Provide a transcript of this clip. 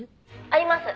「あります。